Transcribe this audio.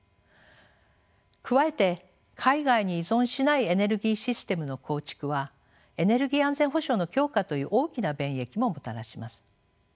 加えて海外に依存しないエネルギーシステムの構築はエネルギー安全保障の強化という大きな便益ももたらします。